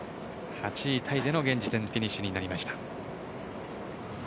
８位タイでの現時点でのフィニッシュになりました。